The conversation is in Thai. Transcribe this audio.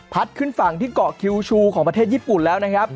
ขึ้นฝั่งที่เกาะคิวชูของประเทศญี่ปุ่นแล้วนะครับ